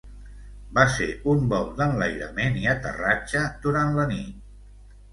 Va ser un vol d'enlairament i aterratge durant la nit.